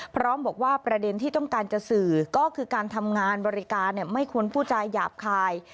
พร้อมบอกว่าประเด็นที่ต้องการจะสื่อก็คือการทำงานบริการไม่ควรพูดจาหยาบคาย